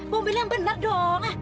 mobilnya yang benar dong